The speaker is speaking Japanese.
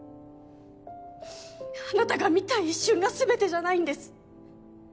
あなたが見た一瞬がすべてじゃないんです。